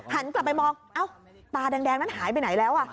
หันกลับไปมองเอ้าตาแดงนั้นหายไปไหนแล้ว